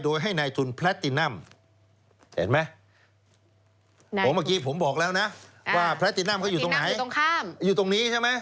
เขาจะทำไมขยายไง